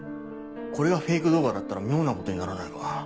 これがフェイク動画だったら妙なことにならないか？